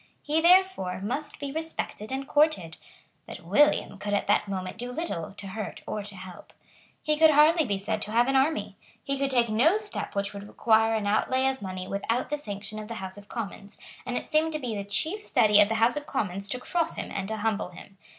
He, therefore, must be respected and courted. But William could at that moment do little to hurt or to help. He could hardly be said to have an army. He could take no step which would require an outlay of money without the sanction of the House of Commons; and it seemed to be the chief study of the House of Commons to cross him and to humble him.